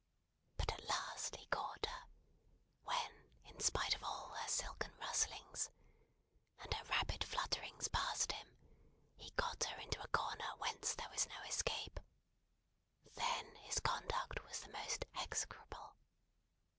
But when at last, he caught her; when, in spite of all her silken rustlings, and her rapid flutterings past him, he got her into a corner whence there was no escape; then his conduct was the most execrable.